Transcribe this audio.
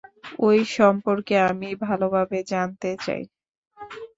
ঐ সম্পর্কে আমি ভালোভাবে জানতে চাই।